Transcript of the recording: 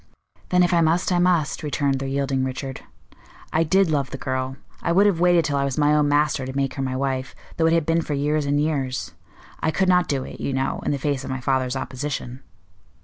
"Then, if I must, I must," returned the yielding Richard. "I did love the girl. I would have waited till I was my own master to make her my wife, though it had been for years and years. I could not do it, you know, in the face of my father's opposition."